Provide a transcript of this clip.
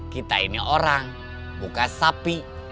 kita ini orang buka sapi